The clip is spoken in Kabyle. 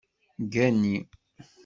Gani.